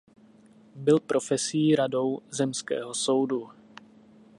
Byl profesí radou zemského soudu.